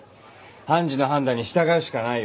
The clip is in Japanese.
判事の判断に従うしかないよ。